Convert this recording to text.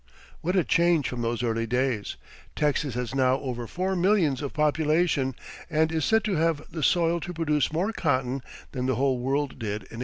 What a change from those early days! Texas has now over four millions of population and is said to have the soil to produce more cotton than the whole world did in 1882.